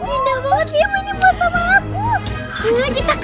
indah banget biung ini buat sama aku